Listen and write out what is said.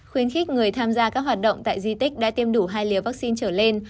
khuyến khích người tham gia các hoạt động tại di tích đã tiêm đủ hai lìa vaccine trở lên